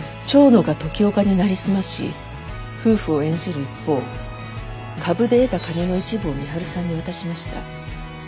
蝶野が時岡に成り済まし夫婦を演じる一方株で得た金の一部を美春さんに渡しました。